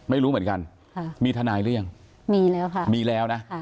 ไม่รู้เหมือนกันค่ะมีทนายหรือยังมีแล้วค่ะมีแล้วนะ